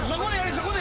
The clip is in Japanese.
そこで。